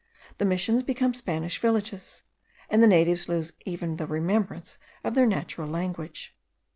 The Missions become Spanish villages, and the natives lose even the remembrance of their natural language.